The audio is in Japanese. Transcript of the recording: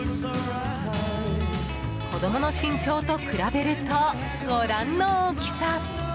子供の身長と比べるとご覧の大きさ。